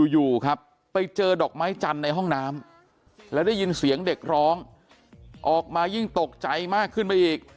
อยู่ครับไปเจอดอกไม้จันทร์ในห้องน้ำแล้วได้ยินเสียงเด็กร้องออกมายิ่งตกใจมากขึ้นไปอีก